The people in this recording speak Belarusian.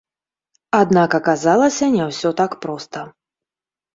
Аднак, аказалася, не ўсё так проста.